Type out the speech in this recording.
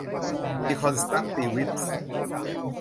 ดีคอนสตรัคติวิสม์